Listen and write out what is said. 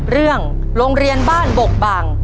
เรื่องโรงเรียนบ้านบกบัง